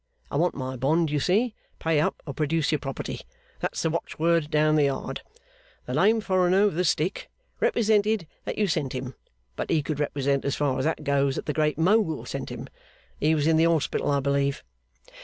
I want my bond, you see. Pay up, or produce your property! That's the watchword down the Yard. The lame foreigner with the stick represented that you sent him; but he could represent (as far as that goes) that the Great Mogul sent him. He has been in the hospital, I believe?